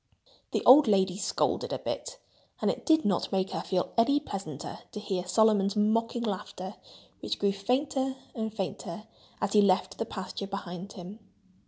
The old lady scolded a bit. And it did not make her feel any pleasanter to hear Solomon's mocking laughter, which grew fainter and fainter as he left the pasture behind him.